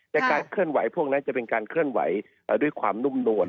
แต่การเคลื่อนไหวพวกนั้นจะเป็นการเคลื่อนไหวด้วยความนุ่มนวล